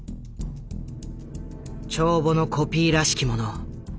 帳簿のコピーらしきもの。